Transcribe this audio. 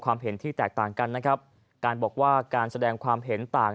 เห็นที่แตกต่างกันนะครับการบอกว่าการแสดงความเห็นต่าง